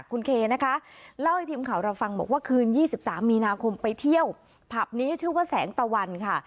คุณเคนะคะเล่าให้ทีมข่าวเราฟังบอกว่าคืน๒๓มีนาคมไปเที่ยวผับนี้ชื่อว่าแสงตะวันค่ะ